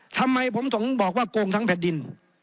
ทำไมผมถึงบอกว่าโกงทั้งแผ่นดิน